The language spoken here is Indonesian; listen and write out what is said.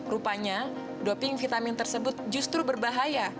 rupanya doping vitamin tersebut justru berbahaya